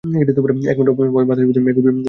একমাত্র ভয়, বাতাস বোধহয় মেঘ উড়িয়ে নিয়ে যাবে।